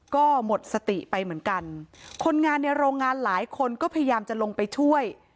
ก็หมดสติไปเหมือนกันคนงานในโรงงานหลายคนก็พยายามจะลงไปช่วย